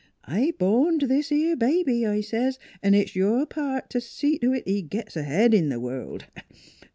I horned this 'ere baby,' I says, ' 'n' it's your part t' see to it he gits ahead in th' world.'